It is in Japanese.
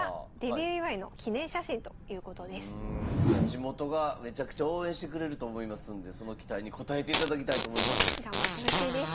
地元がめちゃくちゃ応援してくれると思いますんでその期待に応えていただきたいと思います。